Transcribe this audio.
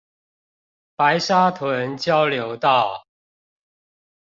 白沙屯交流道